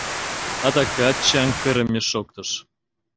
Адакат чаҥ кырыме шоктыш.